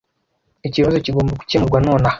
Ikibazo kigomba gukemurwa nonaha.